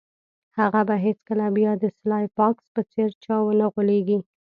هغه به هیڅکله بیا د سلای فاکس په څیر چا ونه غولیږي